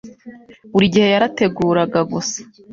buri gihe yarateguraga gusa